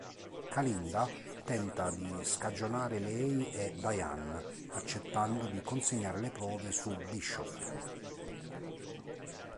Kalinda tenta di scagionare lei e Diane accettando di consegnare le prove su Bishop.